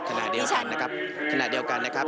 ขณะเดียวกันนะครับขณะเดียวกันนะครับ